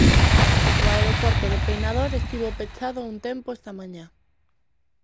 O aeroporto de Peinador estivo pechado un tempo esta mañá.